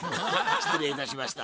失礼いたしました。